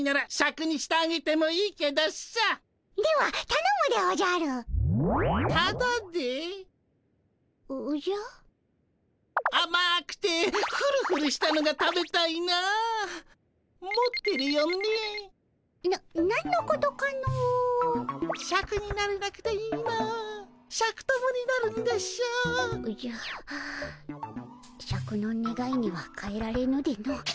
シャクのねがいには代えられぬでの。